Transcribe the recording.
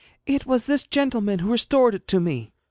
'It was this gentleman who restored it to me.'